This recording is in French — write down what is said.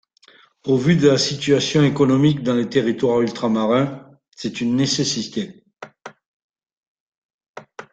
Au vu de la situation économique dans les territoires ultramarins, c’est une nécessité.